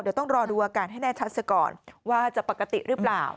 เดี๋ยวต้องรอดูอาการให้แน่ชัดซะก่อนว่าจะปกติหรือเปล่า